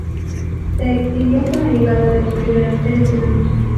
Se extinguió con la llegada de los primeros seres humanos.